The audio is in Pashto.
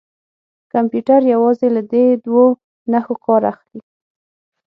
کمپیوټر یوازې له دې دوو نښو کار اخلي.